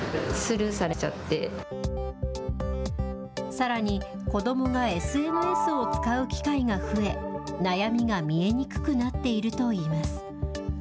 さらに、子どもがＳＮＳを使う機会が増え、悩みが見えにくくなっているといいます。